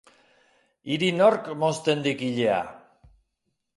Hiri nork mozten dik ilea?